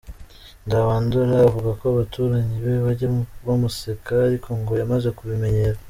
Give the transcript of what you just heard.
Nzabandora avuga ko abaturanyi be bajya bamuseka ariko ngo yamaze kubimenyera.